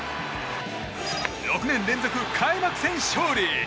６年連続、開幕戦勝利。